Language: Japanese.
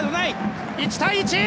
１対１。